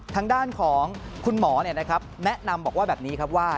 ทางด้านของคุณหมอแนะนำบอกว่าแบบนี้ครับว่า